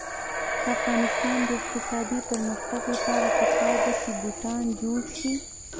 د افغانستان د اقتصادي پرمختګ لپاره پکار ده چې بوټان جوړ شي.